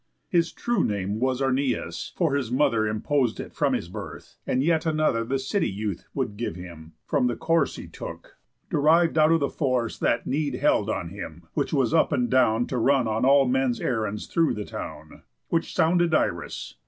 His true name was Arnæus, for his mother Impos'd it from his birth, and yet another The city youth would give him (from the course He after took, deriv'd out of the force That need held on him, which was up and down To run on all men's errands through the town) Which sounded Irus.